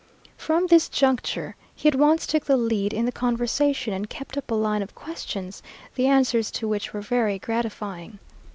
From this juncture, he at once took the lead in the conversation, and kept up a line of questions, the answers to which were very gratifying.